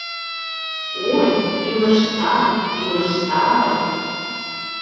Ой, илыш сай, илыш са-ай —